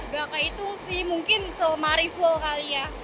gak kaitung sih mungkin selmarifull kali ya